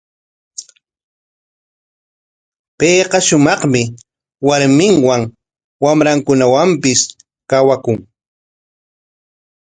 Payqa shumaqmi warminwan, wamrankunawanpis kawakun.